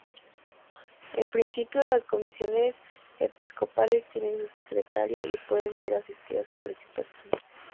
En principio, las Comisiones Episcopales tienen su secretaria y pueden ser asistidas por expertos.